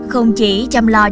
khùng chỉ chăm lo trẻ